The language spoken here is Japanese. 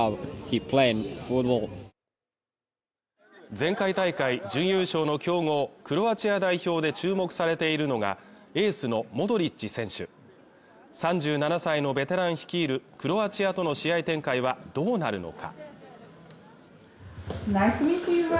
前回大会準優勝の強豪クロアチア代表で注目されているのがエースのモドリッチ選手３７歳のベテラン率いるクロアチアとの試合展開はどうなるのか